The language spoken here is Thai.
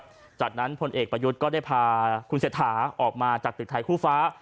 หลังจากนั้นพลเอกประยุทธ์ก็ได้พาคุณเศรษฐาออกมาจากตึกไทยคู่ฟ้า